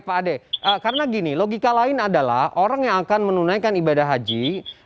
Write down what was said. pak ade karena gini logika lain adalah orang yang akan menunaikan ibadah haji